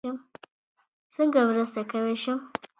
څنګه مرسته کوی شم؟